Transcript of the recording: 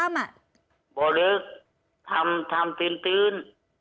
ไม่ลึกถ้ำปืน